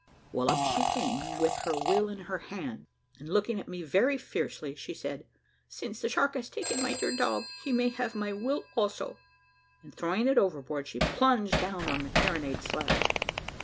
Well, up she came, with her will in her hand, and looking at me very fiercely, she said, `since the shark has taken my dear dog, he may have my will also,' and throwing it over board, she plunged down on the carronade slide.